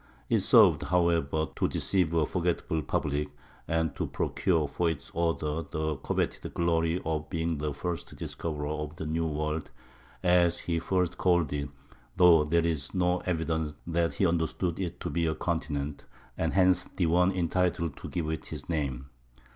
It served, however, to deceive a forgetful public, and to procure for its author the coveted glory of being the first "discoverer" of the "New World," as he first called it (though there is no evidence that he understood it to be a continent), and hence the one entitled to give it his name.